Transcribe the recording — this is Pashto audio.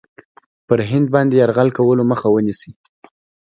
پر هند باندي یرغل کولو مخه ونیسي.